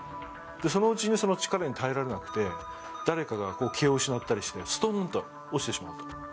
そのうちに、力に耐えられなくて誰かが気を失ったりしてすとんと落ちてしまう。